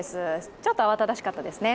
ちょっと慌ただしかったですね。